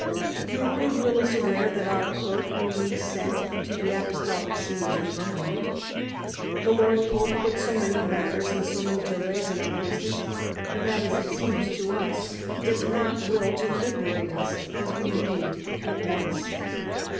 Your goodwill is aware that our clerk whom we sent to the apostolic see is returned. The lord pope puts so many matters and so many delays in our business, that, as it seems to us, he does not will to liberate us, as we need, at once.